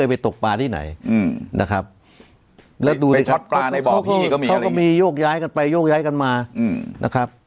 ไปตกปลาที่ไหนนะครับแล้วดูสิครับเขาก็มีโยกย้ายกันไปโยกย้ายกันมานะครับ